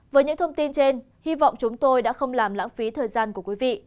với những thông tin trên hy vọng chúng tôi đã không làm lãng phí thời gian của quý vị